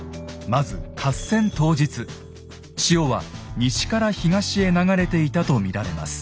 まず合戦当日潮は西から東へ流れていたと見られます。